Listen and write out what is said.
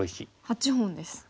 ８本です。